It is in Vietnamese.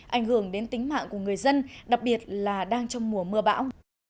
ảnh hưởng đến tính mạng của người dân đặc biệt là đang trong mùa mưa bão